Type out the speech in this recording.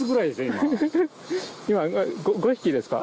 今今５匹ですか